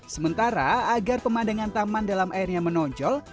sementara agar pemandangan taman dalam airnya menonjol